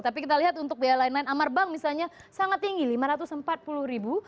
tapi kita lihat untuk biaya lain lain amar bank misalnya sangat tinggi lima ratus empat puluh ribu